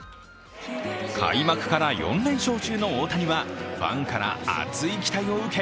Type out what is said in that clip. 開幕から４連勝中の大谷はファンから熱い期待を受け